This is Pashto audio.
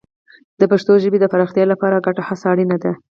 د پښتو ژبې د پراختیا لپاره ګډه هڅه اړینه ده.